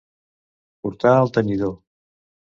Portar al tenyidor.